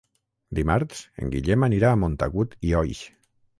Dimarts en Guillem anirà a Montagut i Oix.